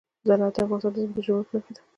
زراعت د افغانستان د ځمکې د جوړښت نښه ده.